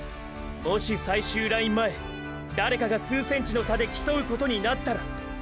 もし最終ライン前誰かが数ｃｍの差で競うことになったらーー